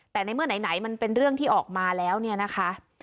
แต่ในเมื่อไหนมันเป็นเรื่องที่ออกมาแล้วเนี่ยนะคะ